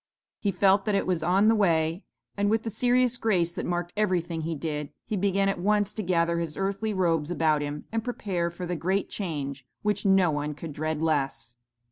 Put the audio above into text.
He felt that it was on the way, and with the serious grace that marked everything he did, he began at once to gather his earthly robes about him and prepare for the great change which no one could dread less.